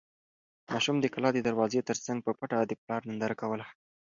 ماشوم د کلا د دروازې تر څنګ په پټه د پلار ننداره کوله.